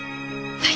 はい。